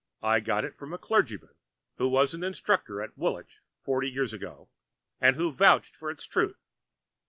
I got it from a clergyman who was an instructor at Woolwich forty years ago, and who vouched for its truth.